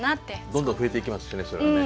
どんどん増えていきますしねそれはね。